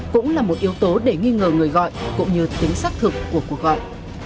cũng là một yếu tố để nghi ngờ người gọi cũng như tính xác thực của cuộc gọi